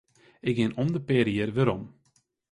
Ik gean om de pear jier werom.